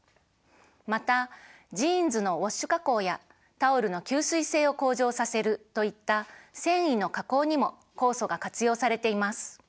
またジーンズのウォッシュ加工やタオルの吸水性を向上させるといった繊維の加工にも酵素が活用されています。